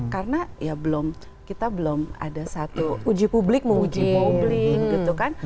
karena kita belum ada satu uji publik